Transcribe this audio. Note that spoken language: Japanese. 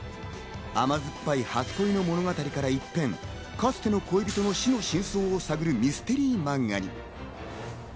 甘酸っぱい初恋の物語から一転、かつての恋人の死の真相を探るミステリー漫画に。